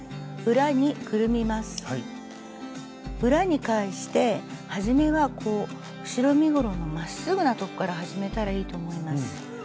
裏に返してはじめは後ろ身ごろのまっすぐな所から始めたらいいと思います。